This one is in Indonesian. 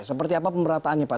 seperti apa pemerataannya pak